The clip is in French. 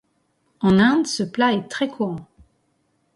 En Inde, ce plat est très courant.